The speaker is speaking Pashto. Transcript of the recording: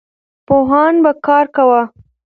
پوهان به کار کاوه.